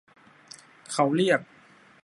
เค้าเรียก